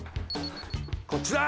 こっちだ！